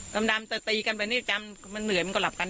กำดับมันตะตีกันเป็นแบบนี้ประจำมันเหนื่อยมันก็หลับกัน